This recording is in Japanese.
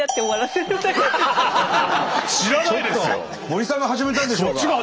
森さんが始めたんでしょうが。